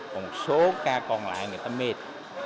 còn một số ca còn lại người ta mệt